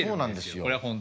これは本当にね。